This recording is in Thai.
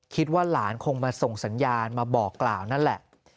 คิดว่าหลานคงมาส่งสัญญาณมาบอกกล่าวนั่นแหละ